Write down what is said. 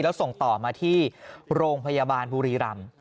แล้วส่งต่อมาที่โรงพยาบาลบุรีรำ